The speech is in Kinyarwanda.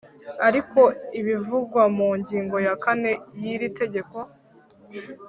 Ariko ibivugwa mu ngingo ya kane y iri tegeko